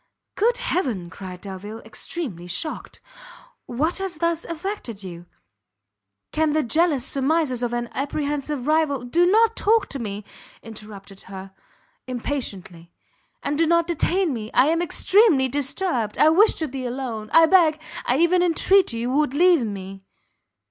"Good heaven," cried Delvile, extremely shocked, "what has thus affected you? Can the jealous surmises of an apprehensive rival " "Do not talk to me," interrupted she, impatiently, "and do not detain me, I am extremely disturbed, I wish to be alone, I beg, I even entreat you would leave me."